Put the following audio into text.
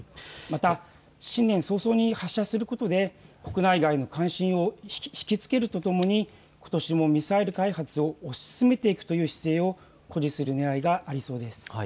また新年早々に発射することで国内外の関心を引き付けるとともにことしもミサイル開発を推し進めていくという姿勢を誇示するねらいがありそうです。